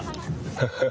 ハハハ。